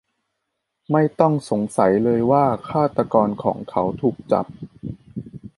ไม่ต้องสงสัยเลยว่าฆาตกรของเขาถูกจับ